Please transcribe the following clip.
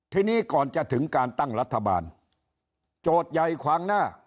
ทีนี้ก่อนจะถึงการตั้งรัฐบาลโจทย์ใหญ่ขวางหน้า